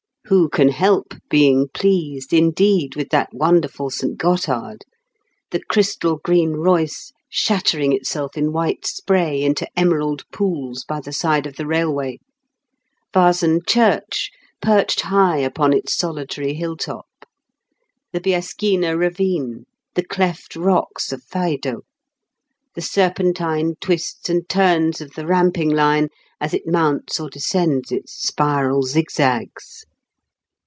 Who can help being pleased, indeed, with that wonderful St Gothard—the crystal green Reuss shattering itself in white spray into emerald pools by the side of the railway; Wasen church perched high upon its solitary hilltop; the Biaschina ravine, the cleft rocks of Faido, the serpentine twists and turns of the ramping line as it mounts or descends its spiral zigzags?